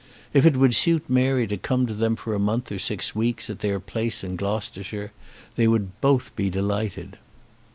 If it would suit Mary to come to them for a month or six weeks at their place in Gloucestershire, they would both be delighted.